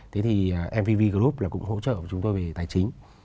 thế thì mvv group là cũng hỗ trợ chúng tôi về tài chính